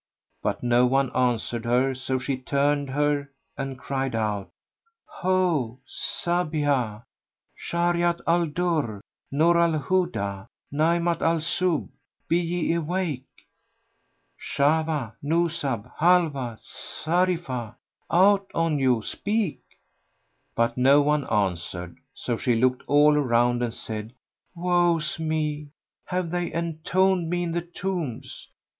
But no one answered her, so she turned her and cried out, "Ho Sabíhah! Shajarat al Durr! Núr al Hudá! Najmat al Subh! be ye awake? Shahwah, Nuzhah, Halwá, Zarífah, out on you, speak![FN#105]'' But no one answered; so she looked all around and said, "Woe's me! have they entombed me in the tombs?